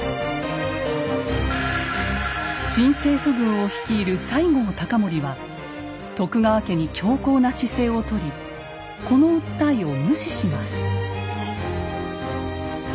新政府軍を率いる西郷隆盛は徳川家に強硬な姿勢をとりこの訴えを無視します。